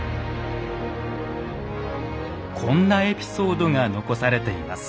こんなエピソードが残されています。